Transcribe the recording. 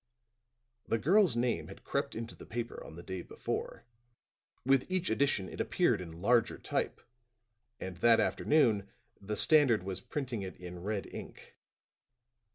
The girl's name had crept into the paper on the day before; with each edition it appeared in larger type; and that afternoon the Standard was printing it in red ink.